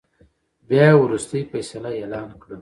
بيا يې ورورستۍ فيصله اعلان کړه .